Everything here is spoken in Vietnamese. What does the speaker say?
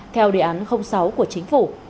theo đề án sáu của chính phủ